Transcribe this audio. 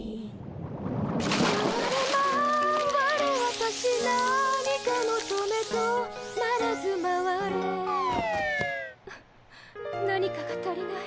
まわれまわれわたし何かもとめ止まらずまわれ何かが足りない。